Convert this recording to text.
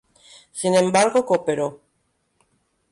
Sin embargo, cooperó.